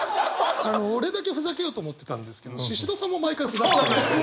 俺だけふざけようと思ってたんですけどシシドさんも毎回ふざけてるので。